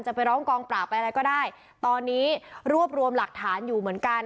ไปร้องกองปราบไปอะไรก็ได้ตอนนี้รวบรวมหลักฐานอยู่เหมือนกัน